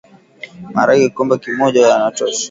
Maharage Kikombe moja yanatosha